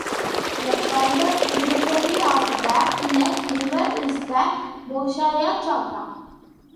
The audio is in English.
A further tributary of the Ilek River is the Bolshaya Chobda.